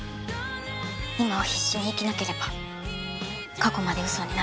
今を必死に生きなければ過去まで嘘になる。